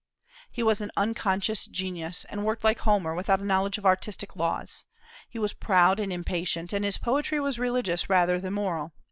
He was an unconscious genius, and worked like Homer without a knowledge of artistic laws. He was proud and impatient, and his poetry was religious rather than moral.